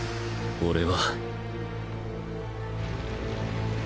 俺は